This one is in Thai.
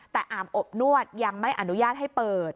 แต่อาบอบนวดยังไม่อนุญาตให้เปิด